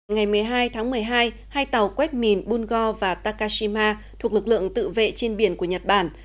ngày một mươi hai tháng một mươi hai hai tàu quét mìn bungo và takashima thuộc lực lượng tự vệ trên biển của nhật bản